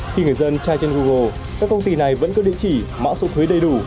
khi người dân trai trên google các công ty này vẫn cứ định chỉ mạo sụp thuế đầy đủ